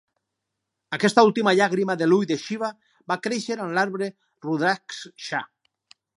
Aquesta única llàgrima de l'ull de Shiva va créixer en l'arbre rudraksha.